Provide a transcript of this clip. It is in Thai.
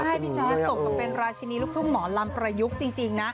ใช่พี่จ๊ะส่งมาเป็นราชินีลูกผู้หมอรำประยุกต์จริงนะ